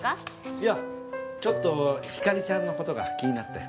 いやちょっとひかりちゃんのことが気になって。